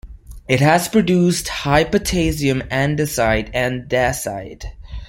It has produced high-potassium andesite and dacite.